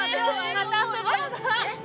また遊ぼ。